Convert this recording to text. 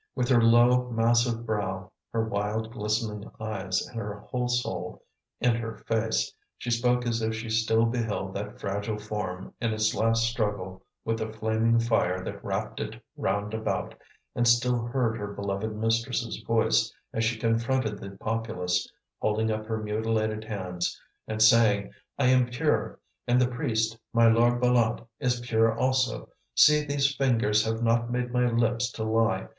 With her low, massive brow, her wild, glistening eyes, and her whole soul in her face, she spoke as if she still beheld that fragile form in its last struggle with the flaming fire that wrapped it round about, and still heard her beloved mistress's voice, as she confronted the populace, holding up her mutilated hands, and saying: "I am pure, and the priest, my lord Bâlât, is pure also. See, these fingers have not made my lips to lie.